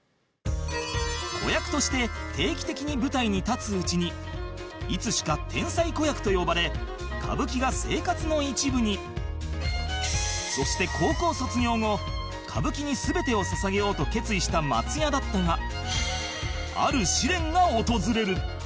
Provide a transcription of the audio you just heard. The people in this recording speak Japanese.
子役として定期的に舞台に立つうちにいつしかそして高校卒業後歌舞伎に全てを捧げようと決意した松也だったがある試練が訪れる